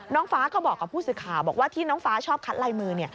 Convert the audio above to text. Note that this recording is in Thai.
น้องฟ้าก็บอกกับผู้ศึกษาว่าที่น้องฟ้าชอบคัดลายมือ